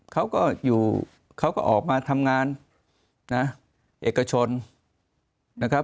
เขาก็อยู่เขาก็ออกมาทำงานนะเอกชนนะครับ